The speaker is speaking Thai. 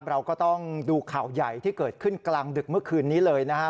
เราก็ต้องดูข่าวใหญ่ที่เกิดขึ้นกลางดึกเมื่อคืนนี้เลยนะครับ